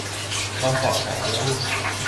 ลองสอบถามดู